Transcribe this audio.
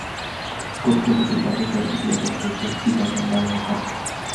গতকাল দুপুরে তাদের বাড়িতে গিয়ে দেখা গেছে, বিপাশা মায়ের হাতে ভাত খাচ্ছে।